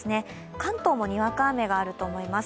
関東もにわか雨があると思います。